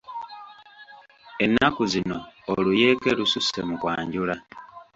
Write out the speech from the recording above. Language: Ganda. Ennaku zino oluyeeke lususse mu kwanjula.